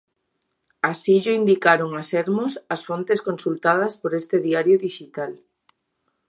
Así llo indicaron a Sermos as fontes consultadas por este diario dixital.